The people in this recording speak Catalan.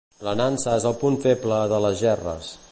La nansa és el punt feble de les gerres.